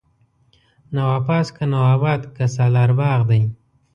نواپاس، که نواباد که سالار باغ دی